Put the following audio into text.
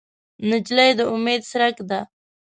نجلۍ د امید څرک ده.